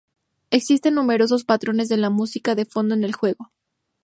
Existen numerosos patrones de la música de fondo en el juego.